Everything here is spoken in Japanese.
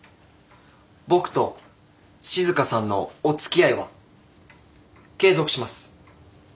僕と静さんのおつきあいは継続します。